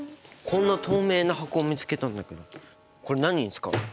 こんな透明な箱を見つけたんだけどこれ何に使うの？